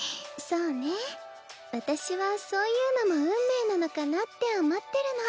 そうね私はそういうのも運命なのかなって思ってるの。